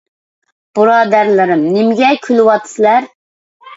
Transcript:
بۇرادەرلىرىم، نېمىگە كۈلۈۋاتىسىلەر؟